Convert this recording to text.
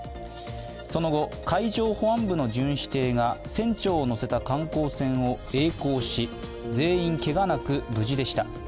その後、海上保安部の巡視艇が船長を乗せた観光船をえい航し全員、けがなく無事でした。